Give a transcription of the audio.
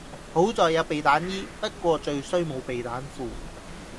好在有避彈衣，不過最衰冇避彈褲